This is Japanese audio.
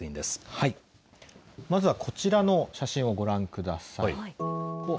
まずはこちらの写真をご覧ください。